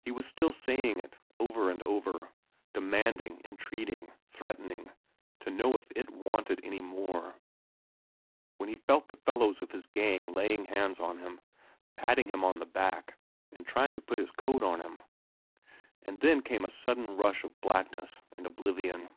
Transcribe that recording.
He was still saying it, over and over,—demanding, entreating, threatening, to know if it wanted any more,—when he felt the fellows of his gang laying hands on him, patting him on the back and trying to put his coat on him. And then came a sudden rush of blackness and oblivion.